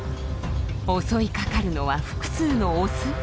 襲いかかるのは複数のオス。